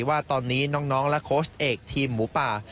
ว่าตอนนี้น้องและโค้ชเอกทีมหมูป่า